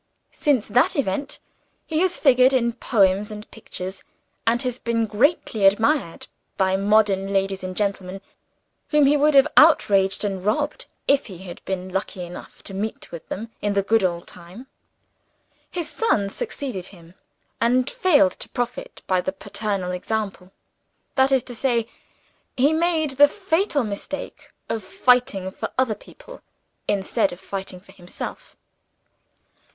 Since that event, he has figured in poems and pictures; and has been greatly admired by modern ladies and gentlemen, whom he would have outraged and robbed if he had been lucky enough to meet with them in the good old times. His son succeeded him, and failed to profit by the paternal example: that is to say, he made the fatal mistake of fighting for other people instead of fighting for himself.